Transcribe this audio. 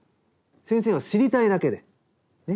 先生は知りたいだけで。ね？